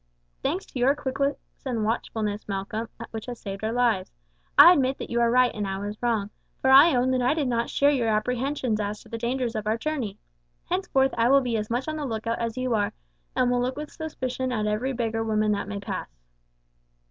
"Thanks to your quickness and watchfulness, Malcolm, which has saved our lives. I admit that you are right and I was wrong, for I own that I did not share your apprehensions as to the dangers of our journey. Henceforth I will be as much on the lookout as you are, and will look with suspicion at every beggar woman that may pass."